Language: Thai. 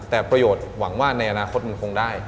แต่ประโยชน์หวังว่าในอนาคตมันคงได้